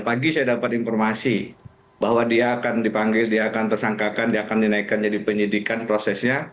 pagi saya dapat informasi bahwa dia akan dipanggil dia akan tersangkakan dia akan dinaikkan jadi penyidikan prosesnya